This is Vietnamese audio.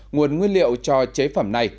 nguồn nguyên liệu cho chế phẩm này